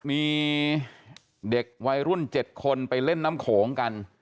มีเด็กวัยรุ่น๗คนไปเล่นน้ำโขงกัน